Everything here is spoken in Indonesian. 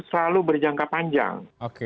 selalu berjangka panjang